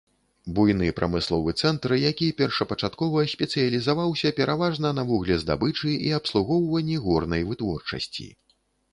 Буйны прамысловы цэнтр, які першапачаткова спецыялізаваўся пераважна на вуглездабычы і абслугоўванні горнай вытворчасці.